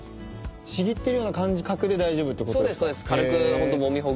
ちぎってるような感覚で大丈夫ってことですか？